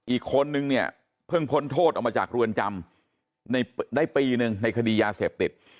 อีกคนนึงเนี่ยเพิ่งพ้นโทษออกมาจากเรือนจำได้ปีหนึ่งในคดียาเสพติด